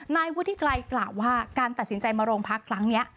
นายวุฒิไกรกล่าวว่าการตัดสินใจมาโรงพักครั้งนี้